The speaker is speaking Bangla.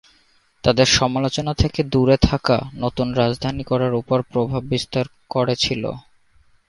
তাদের সমালোচনা থেকে দূরে থাকা নতুন রাজধানী করার উপর প্রভাব বিস্তার করেছিল।